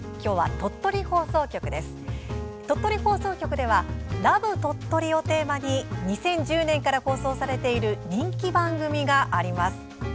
鳥取放送局では「ラブ鳥取」をテーマに２０１０年から放送されている人気番組があります。